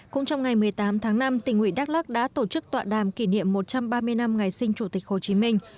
cũng trong ngày một mươi tám tháng năm tỉnh nguyễn đắk lắc đã tổ chức tọa đàm kỷ niệm một trăm ba mươi năm ngày sinh chủ tịch hồ chí minh